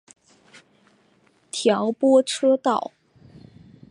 调拨车道。